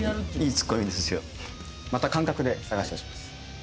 また感覚で捜し出します。